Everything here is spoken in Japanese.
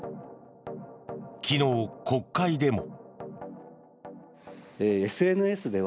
昨日、国会でも。